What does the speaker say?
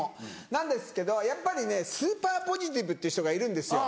なんですけどやっぱりねスーパーポジティブって人がいるんですよ。